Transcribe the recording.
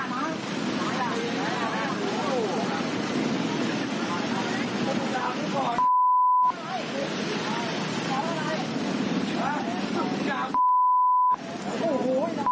เดี๋ยว